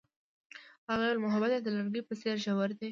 هغې وویل محبت یې د لرګی په څېر ژور دی.